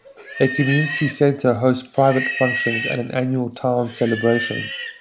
A community center hosts private functions and annual town celebrations.